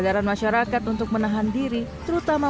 kesadaran masyarakat juga menurunkan kegiatan kegiatan kegiatan